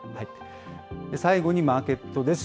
最後にマーケットです。